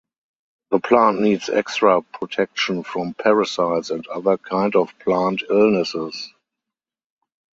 The plant needs extra protection from parasites and other kind of plant illnesses.